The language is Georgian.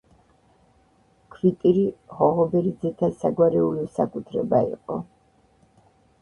ქვიტირი ღოღობერიძეთა საგვარეულო საკუთრება იყო.